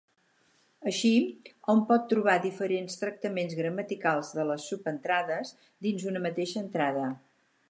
Així, hom pot trobar diferents tractaments gramaticals de les subentrades dins una mateixa entrada.